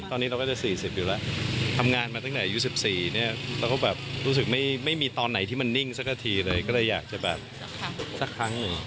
ตอนนี้เราก็จะ๔๐อยู่แล้วทำงานมาตั้งแต่อายุ๑๔เนี่ยเราก็แบบรู้สึกไม่มีตอนไหนที่มันนิ่งสักทีเลยก็เลยอยากจะแบบสักครั้งหนึ่ง